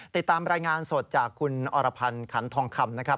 ติดตามรายงานสดจากคุณอรพันธ์ขันทองคำนะครับ